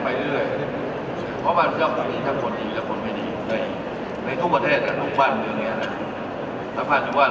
และถ้าอยู่ทุกศัพท์แล้วจะทำยังไงต่อ